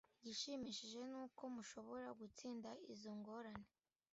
Igishimishije ni uko mushobora gutsinda izo ngorane